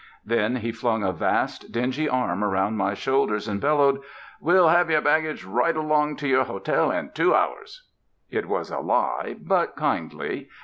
Then he flung a vast, dingy arm round my shoulders, and bellowed, "We'll have your baggage right along to your hotel in two hours." It was a lie, but kindly.